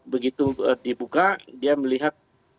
begitu dibuka dia melihat